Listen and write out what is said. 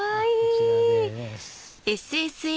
こちらです。